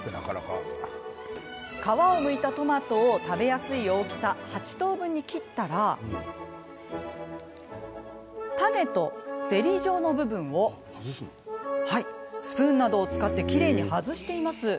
皮をむいたトマトを食べやすい大きさ８等分に切ったら種とゼリー状の部分をスプーンなどを使ってきれいに外していきます。